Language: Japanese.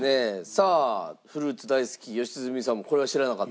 さあフルーツ大好き良純さんもこれは知らなかった？